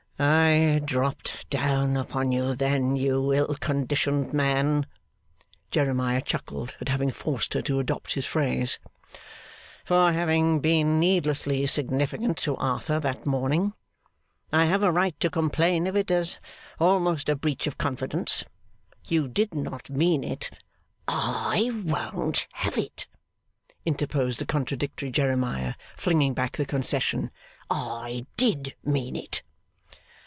'I dropped down upon you, then, you ill conditioned man,' (Jeremiah chuckled at having forced her to adopt his phrase,) 'for having been needlessly significant to Arthur that morning. I have a right to complain of it as almost a breach of confidence. You did not mean it ' 'I won't have it!' interposed the contradictory Jeremiah, flinging back the concession. 'I did mean it.